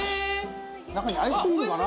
中にアイスクリームかな？